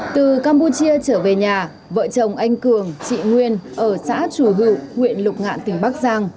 từ campuchia trở về nhà vợ chồng anh cường chị nguyên ở xã chùa hự huyện lục ngạn tỉnh bắc giang